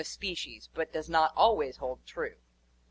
species, but does not always hold true.